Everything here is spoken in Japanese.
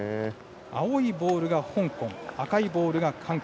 青いボールが香港赤いボールが韓国。